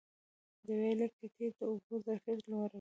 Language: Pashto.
د ویالي کټېر د اوبو ظرفیت لوړوي.